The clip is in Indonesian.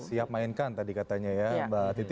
siap mainkan tadi katanya ya mbak titi